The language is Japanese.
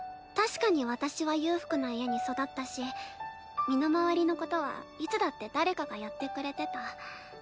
確かに私は裕福な家に育ったし身の回りのことはいつだって誰かがやってくれてた。